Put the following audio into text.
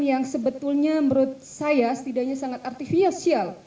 yang sebetulnya menurut saya setidaknya sangat artifisial